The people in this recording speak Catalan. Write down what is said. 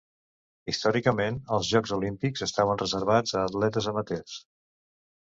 Històricament, els Jocs Olímpics estaven reservats a atletes amateurs.